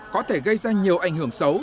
có thể gây ra nhiều ảnh hưởng xấu